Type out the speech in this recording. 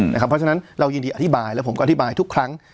เพราะฉะนั้นเรายินดีอธิบายแล้วผมก็อธิบายทุกครั้ง